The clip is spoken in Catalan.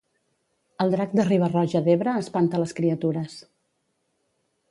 El drac de Riba-roja d'Ebre espanta les criatures